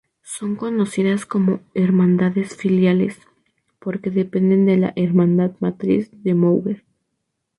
Son conocidas como "hermandades filiales", porque dependen de la Hermandad Matriz de Moguer.